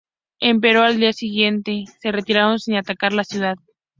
Empero, al día siguiente se retiraron sin atacar a la ciudad.